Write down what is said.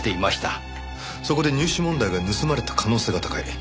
そこで入試問題が盗まれた可能性が高い。